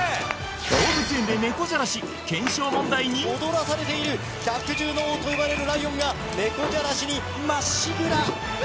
動物園で猫じゃらし検証問題に踊らされている百獣の王と呼ばれるライオンが猫じゃらしにまっしぐら！